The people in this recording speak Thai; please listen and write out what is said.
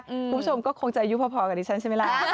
คุณผู้ชมก็คงจะอายุพอกับดิฉันใช่ไหมล่ะ